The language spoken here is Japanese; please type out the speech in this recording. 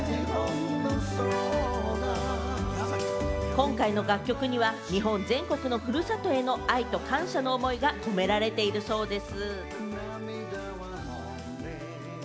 今回の楽曲には、日本全国のふるさとへの愛と感謝の思いが込められているんです。